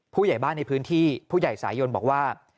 ผู้ใหญ่บ้านในพื้นที่ผู้ใหญ่สายยนบอกว่า